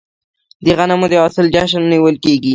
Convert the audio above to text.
د غنمو د حاصل جشن نیول کیږي.